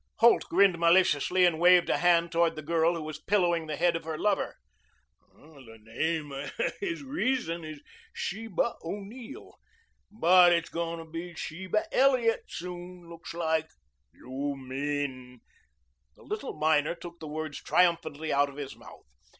Holt grinned maliciously and waved a hand toward the girl who was pillowing the head of her lover. "The name of his reason is Sheba O'Neill, but it's goin' to be Sheba Elliot soon, looks like." "You mean " The little miner took the words triumphantly out of his mouth.